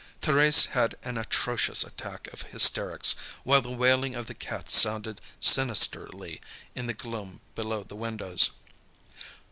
Thérèse had an atrocious attack of hysterics, while the wailing of the cat sounded sinisterly, in the gloom below the windows.